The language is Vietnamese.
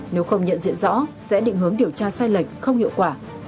nếu không nhận diện rõ sẽ định hướng điều tra sai lệch không hiệu quả